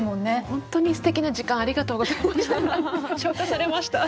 本当にすてきな時間ありがとうございました。